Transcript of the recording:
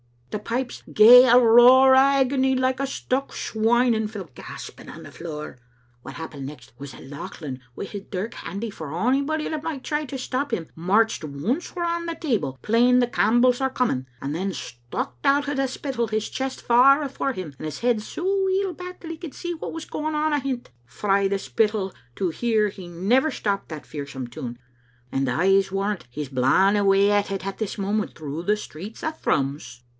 The pipes gae a roar o* agony like a stuck swine, and fell gasping on the floor. What happened next was that Lauchlan wi* his dirk handy for onybody that micht try to stop him, marched once round the table, playing *The Camp bells are Coming, ' and then vStraucht out o' the Spittal, his chest far afore him, and his head so weel back that he could see what was going on ahint. Frae the Spittal to here he never stopped that fearsome tune, and Pse warrant he's blawing away at it at this moment through the streets o* Thrums."